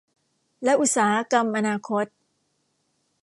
และอุตสาหกรรมอนาคต